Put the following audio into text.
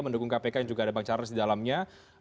mendukung kpk yang juga ada bang charles di dalamnya